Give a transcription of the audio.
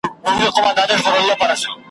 لکه سترګي چي یې ډکي سي له ژرګو ,